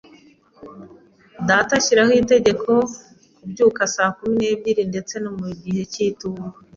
Data ashyiraho itegeko kubyuka saa kumi n'ebyiri, ndetse no mu gihe cy'itumba.